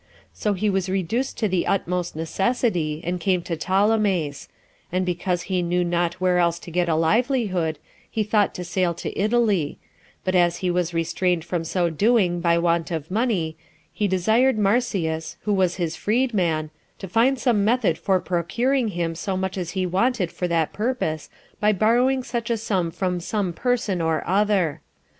So he was reduced to the utmost necessity, and came to Ptolemais; and because he knew not where else to get a livelihood, he thought to sail to Italy; but as he was restrained from so doing by want of money, he desired Marsyas, who was his freed man, to find some method for procuring him so much as he wanted for that purpose, by borrowing such a sum of some person or other.